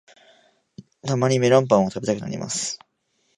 たまにメロンパンを食べたくなります